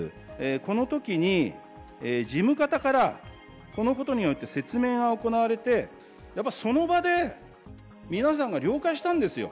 このときに、事務方から、このことにおいて説明が行われて、やっぱりその場で皆さんが了解したんですよ。